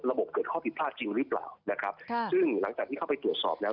ระบบเกิดข้อผิดพลาดจริงหรือเปล่าซึ่งหลังจากที่เข้าไปตรวจสอบแล้ว